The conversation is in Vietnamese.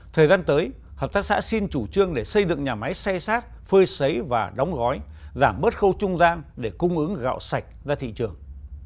thời gian tới hợp tác xã xin chủ trương để xây dựng nhà máy say sát phơi xấy và đóng gói giảm bớt khâu trung gian để cung ứng gạo sạch ra thị trường